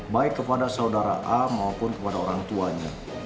baik kepada saudara a maupun kepada orang tuanya